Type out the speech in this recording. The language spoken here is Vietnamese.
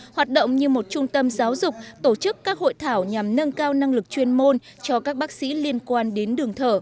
hoạt động như một trung tâm giáo dục tổ chức các hội thảo nhằm nâng cao năng lực chuyên môn cho các bác sĩ liên quan đến đường thở